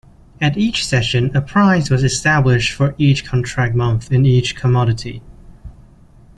At each session, a price was established for each contract month in each commodity.